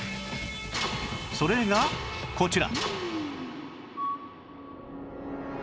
それがこちら